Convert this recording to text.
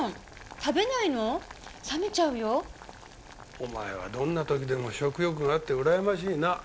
お前はどんな時でも食欲があってうらやましいな。